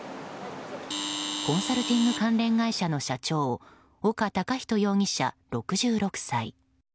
コンサルティング関連会社の社長岡孝人容疑者、６６歳。